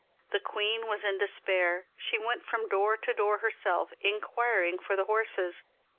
The queen was in despair, she went from door to door herself, inquir ing for the horses.